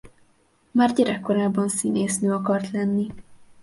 Már gyerekkorában színésznő akart lenni.